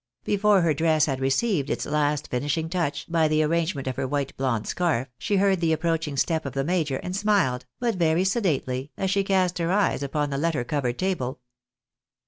Before her dress had received its last finishing touch, by the arrangement of her white blonde scarf, she heard tlie approaching step of the major, and smiled, but very sedately, as she cast her eyes upon the letter covered table.